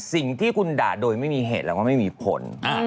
สิ่งที่คุณด่าโดยไม่มีเหตุแล้วก็ไม่มีผล